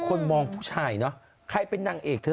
คนมองผู้ชายเนอะใครเป็นนางเอกเธอ